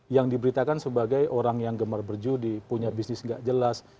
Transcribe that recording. yang diberitakan sebagai orang yang gemar berjudi punya bisnis gak jelas